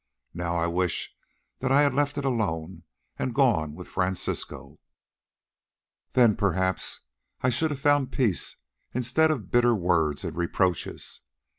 Now I wish that I had left it alone and gone with Francisco, then perhaps I should have found peace instead of bitter words and reproaches.